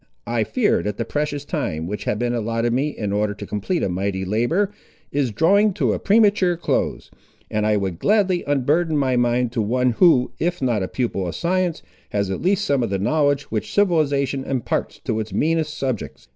I fear that the precious time, which had been allotted me, in order to complete a mighty labour, is drawing to a premature close, and I would gladly unburden my mind to one who, if not a pupil of science, has at least some of the knowledge which civilisation imparts to its meanest subjects.